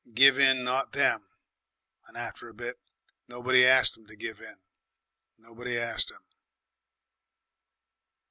Give in not them! And after a bit nobody arst 'em to give in. Nobody arst 'em...."